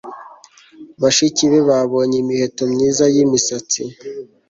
bashiki be babonye imiheto myiza yimisatsi